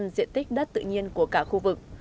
diện tích đất tự nhiên của cả khu vực